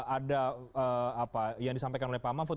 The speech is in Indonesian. ada apa yang disampaikan oleh pak mahfud